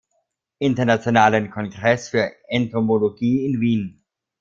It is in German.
Internationalen Kongress für Entomologie in Wien.